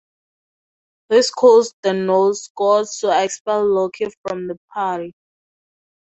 This caused the Norse gods to expel Loki from the party.